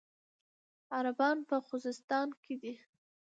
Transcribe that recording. عربان په خوزستان کې دي.